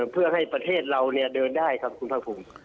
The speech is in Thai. เพื่อให้ประเทศเราเดินได้ครับคุณภาคภูมิ